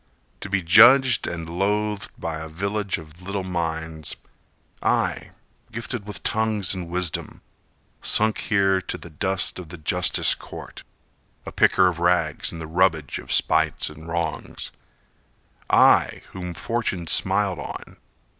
To be judged and loathed by a village of little minds— I, gifted with tongues and wisdom, Sunk here to the dust of the justice court, A picker of rags in the rubbage of spites and wrongs,— I, whom fortune smiled on!